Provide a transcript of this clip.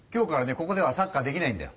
ここではサッカーできないんだよ。